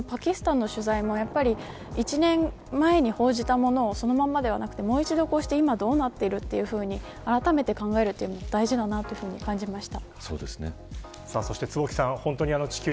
パキスタンの取材も１年前に報じたものをそのままではなくてもう一度今、どうなっているというふうにあらためて考えるのも大事だなと感じました。